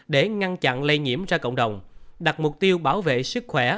để ngăn chặn lây nhiễm ra cộng đồng đặt mục tiêu bảo vệ sức khỏe